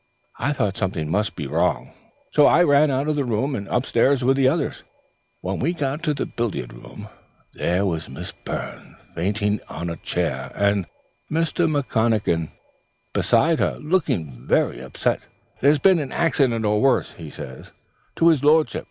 I thought something must be wrong, so I ran out of the room and upstairs with the others. When we got to the billiard room there was Miss Byrne fainting on a chair, and Mr. McConachan beside her, looking very upset like. 'There's been an accident or worse,' he says, 'to his lordship.